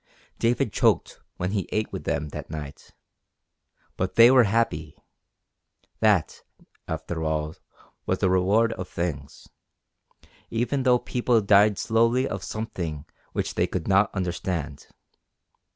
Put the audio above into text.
David choked when he ate with them that night. But they were happy! That, after all, was the reward of things, even though people died slowly of something which they could not understand.